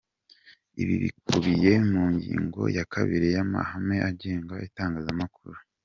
Ibi bikubiye mu ngingo ya kabiri y’amahame agenga itangazamakuru.